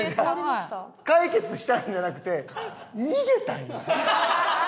解決したんじゃなくて逃げたんよ。